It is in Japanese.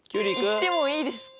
いってもいいですか？